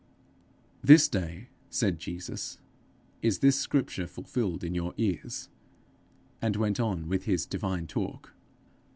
'This day,' said Jesus, 'is this scripture fulfilled in your ears;' and went on with his divine talk.